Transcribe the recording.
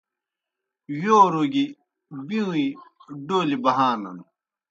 یوروْ گیْ بِیؤں اےْ ڈولیْ بہانَن۔